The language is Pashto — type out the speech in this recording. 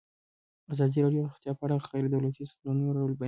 ازادي راډیو د روغتیا په اړه د غیر دولتي سازمانونو رول بیان کړی.